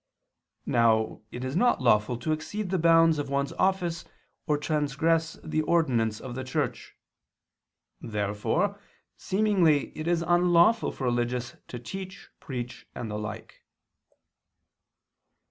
Now it is not lawful to exceed the bounds of one's office or transgress the ordinance of the Church. Therefore seemingly it is unlawful for religious to teach, preach, and the like.